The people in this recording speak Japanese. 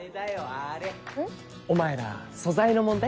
あれお前ら素材の問題？